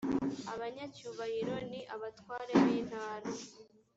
abanyacyubahiro ni abatware b’intara